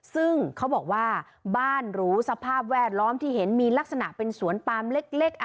ซึ่งเขาบอกว่าบ้านหรูสภาพแวดล้อมที่เห็นมีลักษณะเป็นสวนปามเล็ก